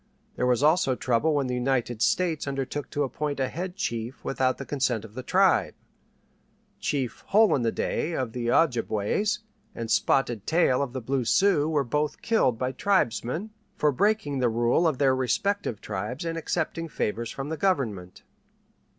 There was also trouble when the United States undertook to appoint a head chief without the consent of the tribe. Chief Hole in the Day of the Ojibways and Spotted Tail of the Brule Sioux were both killed by tribesmen for breaking the rule of their respective tribes and accepting favors from the Government.